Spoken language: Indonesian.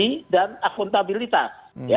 transparansi dan akuntabilitas